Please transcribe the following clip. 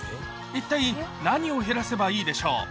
一体何を減らせばいいでしょう？